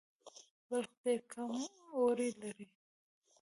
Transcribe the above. بلخ ډیر ګرم اوړی لري